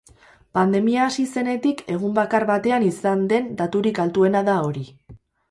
Pandemia hasi zenetik egun bakar batean izan den daturik altuena da hori.